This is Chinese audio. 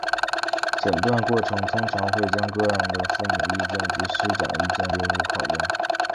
诊断过程通常会将个案的父母意见及师长意见列入考量。